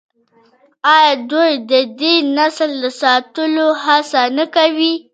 آیا دوی د دې نسل د ساتلو هڅه نه کوي؟